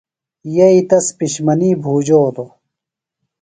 یئی تس پِشمنی بُھوجولوۡ۔